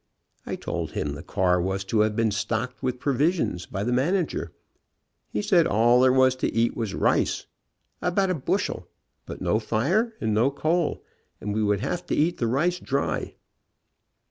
I told him the car was to have been stocked with provisions by the manager. He said all there was to eat was rice, about a bushel, but no fire and no coal, and we would have to eat the rice dry.